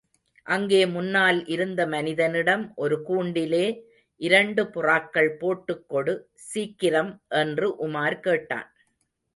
அங்கே முன்னால் இருந்த மனிதனிடம் ஒரு கூண்டிலே இரண்டு புறாக்கள் போட்டுக் கொடு, சீக்கிரம் என்று உமார் கேட்டான்.